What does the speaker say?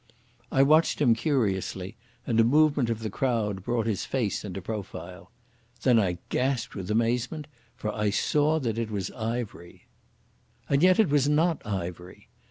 I watched him curiously, and a movement of the crowd brought his face into profile. Then I gasped with amazement, for I saw that it was Ivery. And yet it was not Ivery.